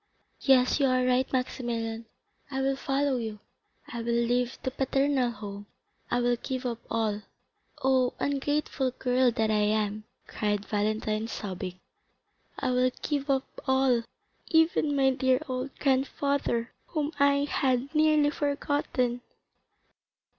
Yes, you are right, Maximilian, I will follow you. I will leave the paternal home, I will give up all. Oh, ungrateful girl that I am," cried Valentine, sobbing, "I will give up all, even my dear old grandfather, whom I had nearly forgotten."